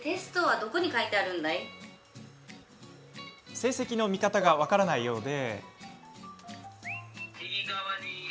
成績の見方が分からないようで。